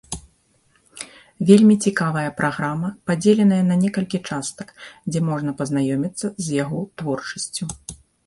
Вельмі цікавая праграма, падзеленая на некалькі частак, дзе можна пазнаёміцца з яго творчасцю.